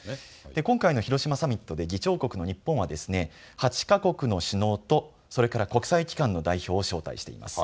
今回の広島サミットで議長国の日本は８か国の首脳とそれから国際機関の代表を招待しています。